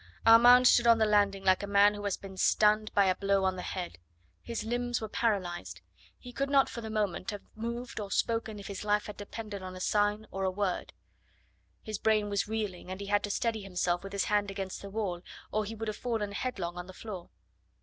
Armand stood on the landing like a man who has been stunned by a blow on the head. His limbs were paralysed. He could not for the moment have moved or spoken if his life had depended on a sign or on a word. His brain was reeling, and he had to steady himself with his hand against the wall or he would have fallen headlong on the floor.